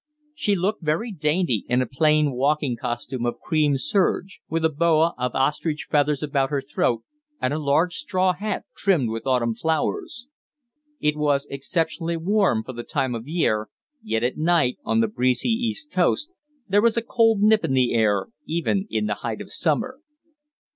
She looked very dainty in a plain walking costume of cream serge, with a boa of ostrich feathers about her throat, and a large straw hat trimmed with autumn flowers. It was exceptionally warm for the time of year; yet at night, on the breezy East Coast, there is a cold nip in the air even in the height of summer.